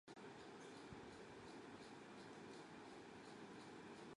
تم ادخال ثلاثة عشر شخصاً للمشفى.